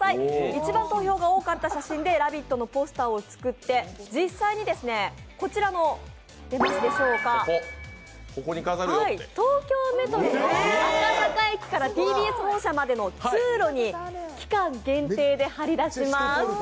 一番投票が多かった写真で「ラヴィット！」のポスターを作って実際にこちらの東京メトロの赤坂駅からＴＢＳ本社にかかる通路に期間限定で貼り出します。